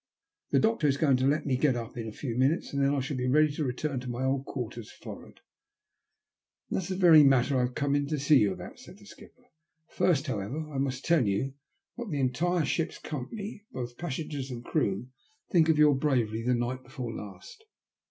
The doctor is going to let me get up in a few minutes, and then I shall be ready to return to my old quarters forrard." ''And that is the very matter I have come in to see you about," said the skipper. First, however, I X 180 THE LUST OF HATB. must tell you what the entire ship's company, both passengers and crew, think of your bravery the night ' before last.